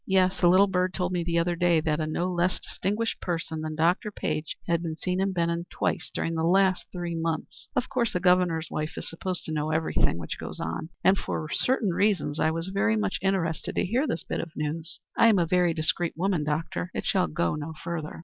"Yes, a little bird told me the other day that a no less distinguished person than Dr. Page had been seen in Benham twice during the last three months. Of course a Governor's wife is supposed to know everything which goes on, and for certain reasons I was very much interested to hear this bit of news. I am a very discreet woman, doctor. It shall go no further."